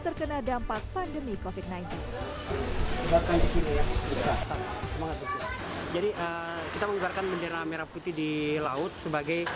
terkena dampak pandemi kofit sembilan belas jadi kita mengibarkan bendera merah putih di laut sebagai